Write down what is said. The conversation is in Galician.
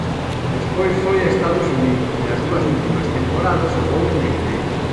Despois foi a Estados Unidos e as dúas últimas temporadas xogou en Leganés.